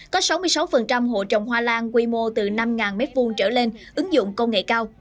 có sáu mươi sáu hộ trồng hoa lan quy mô từ năm m hai trở lên ứng dụng công nghệ cao